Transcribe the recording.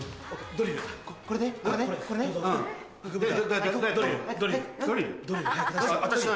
ドリル早く出して。